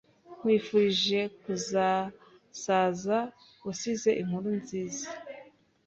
nkwifurije kuzasaza usize inkuru nziza